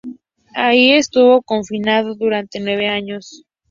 Allí estuvo confinado durante nueve años.